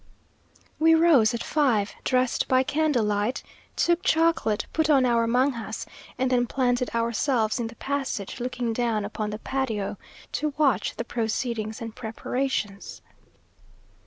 We rose at five, dressed by candlelight, took chocolate, put on our mangas, and then planted ourselves in the passage looking down upon the patio, to watch the proceedings and preparations.